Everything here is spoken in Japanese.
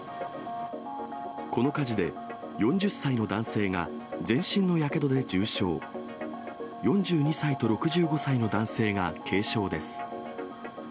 この火事で４０歳の男性が、全身のやけどで重傷、４２歳と６５歳の男性が軽傷です。